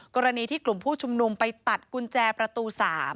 กรณีที่กลุ่มผู้ชุมนุมไปตัดกุญแจประตู๓